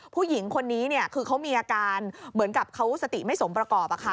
ผู้หญิงคนนี้คือเขามีอาการเหมือนกับเขาสติไม่สมประกอบ